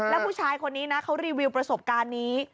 แล้วผู้ชายคนนี้นะเขารีวิวประสบการณ์นี้